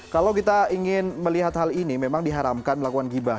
kalau kita ingin melihat hal ini memang diharamkan melakukan gibah